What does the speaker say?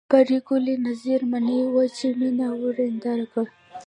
پري ګلې نذر منلی و چې مینه ورېنداره کړي